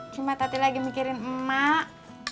cuma tati lagi mikirin emak